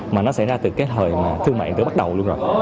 mà nó xảy ra từ cái thời thương mại từ bắt đầu luôn rồi